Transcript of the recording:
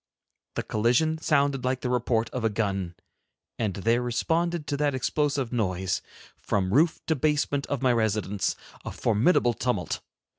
The collision sounded like the report of a gun, and there responded to that explosive noise, from roof to basement of my residence, a formidable tumult.